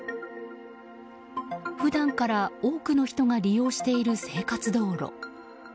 普段から多くの人が利用している生活道路。